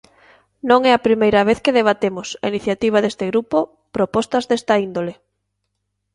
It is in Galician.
Non é a primeira vez que debatemos, a iniciativa deste grupo, propostas desta índole.